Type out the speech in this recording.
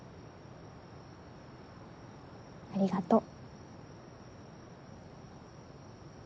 ありがとう。